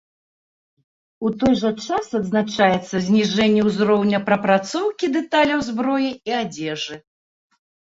У той жа час адзначаецца зніжэнне ўзроўня прапрацоўкі дэталяў зброі і адзежы.